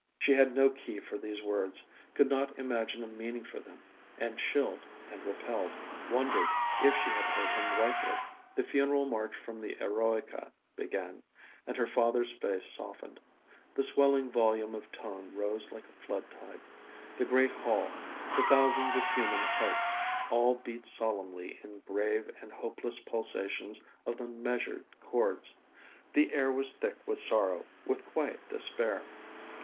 She had no key for these words, could not imagine a meaning for them, and, chilled and repelled, wondered if she had heard him rightly. The funeral march from the Eroica began, and her father's face softened. The swelling volume of tone rose like a flood tide. The great hall, the thousands of human hearts, all beat solemnly in the grave and hopeless pulsations of the measured chords. The air was thick with sorrow, with quiet despair.